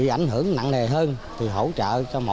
ảnh hưởng hai mươi chín hộ lân cận